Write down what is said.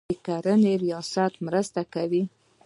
د کرنې ریاستونه مرسته کوي.